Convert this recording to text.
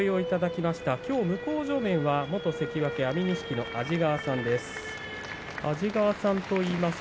きょう向正面は元関脇安美錦の安治川さんです。